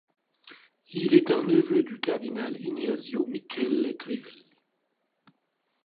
Il est un neveu du cardinal Ignazio Michele Crivelli.